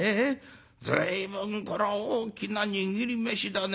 随分これは大きな握り飯だね。